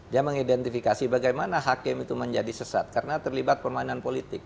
dia mengidentifikasi bagaimana hakim itu menjadi sesat karena terlibat permainan politik